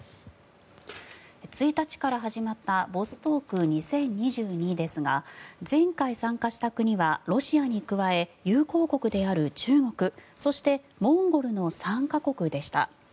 １日から始まったボストーク２０２２ですが前回参加した国はロシアに加え友好国である中国そしてモンゴルの３か国でした。